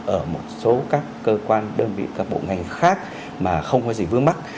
ở một số các cơ quan đơn vị các bộ ngành khác mà không có gì vướng mắt